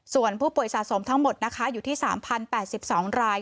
ส่วนผู้ป่วยสะสมทั้งหมดนะคะอยู่ที่๓๐๘๒ราย